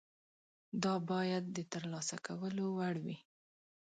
دا باید د ترلاسه کولو وړ وي.